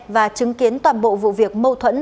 và chứng kiến toàn bộ vụ việc mâu thuẫn